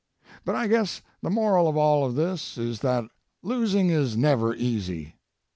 But I guess the moral of all of this is that losing is never easy.